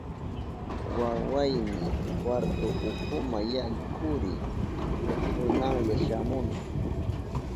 Wawayni, kwartu ukuma yaykuriy, kunalla shamuni.